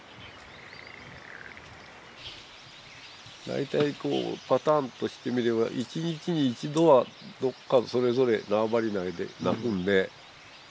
大体こうパターンとしてみれば１日に１度はどこかそれぞれ縄張り内で鳴くので。